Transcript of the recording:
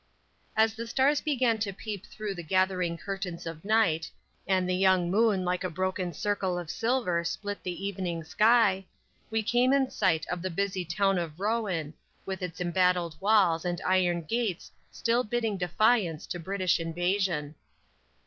_ As the stars began to peep through the gathering curtains of night, and the young moon like a broken circle of silver split the evening sky, we came in sight of the busy town of Rouen, with its embattled walls and iron gates still bidding defiance to British invasion.